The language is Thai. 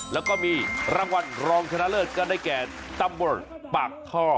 แล้วก็มีรางวัลรองชนะเลิศก็ได้แก่ตำบลปากท่อ